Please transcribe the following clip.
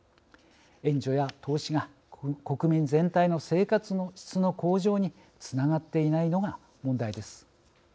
援助や投資が国民全体の生活の質の向上につながっていないのが問題です。